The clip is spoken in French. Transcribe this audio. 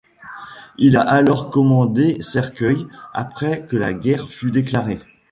Il a alors commandé cercueils, après que la guerre fut déclarée.